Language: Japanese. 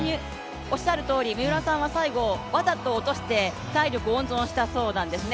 三浦さんは最後、わざと落として体力を温存したそうなんですね。